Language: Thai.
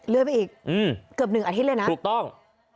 ไปอีกเกือบ๑อาทิตย์เลยนะถูกต้อง